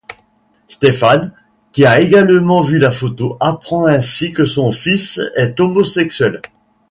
Stéphane, qui a également vu la photo, apprend ainsi que son fils est homosexuel.